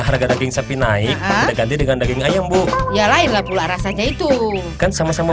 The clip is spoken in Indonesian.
harga daging sapi naik diganti dengan daging ayam bu ya lain lah pula rasanya itu kan sama sama